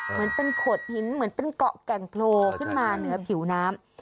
เหมือนเป็นโขดหินเหมือนเป็นเกาะแก่งโผล่ขึ้นมาเหนือผิวน้ำ